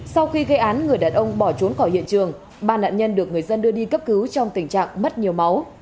sau khi gây án người đàn ông bỏ trốn khỏi hiện trường ba nạn nhân được người dân đưa đi cấp cứu trong tình trạng mất nhiều máu